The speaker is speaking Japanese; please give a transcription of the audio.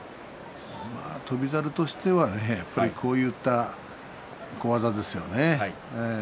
翔猿としてはこうした小技ですよね。